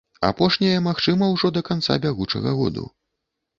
Апошняе магчыма ўжо да канца бягучага году.